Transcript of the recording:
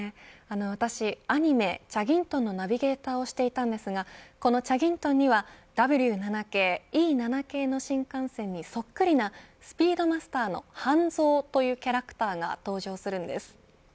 私、アニメ、チャギントンのナビゲーターをしていたんですがこのチャギントンにはＷ７系Ｅ７系の新幹線にそっくりな、スピードマスターのハンゾーというキャラクターが登場するんです。